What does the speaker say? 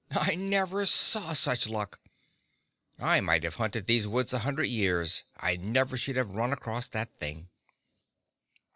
I never saw such luck. I might have hunted these woods a hundred years, I never should have run across that thing.